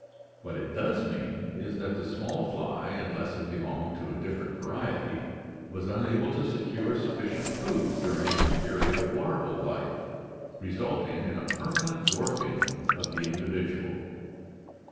What it does mean is that the small fly, unless it belong to a different variety, was unable to secure sufficient food during its period of larval life, resulting in a perma nent dwarfing of the individual.